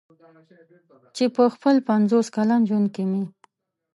چې په خپل پنځوس کلن ژوند کې مې.